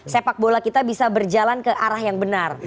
sepak bola kita bisa berjalan ke arah yang benar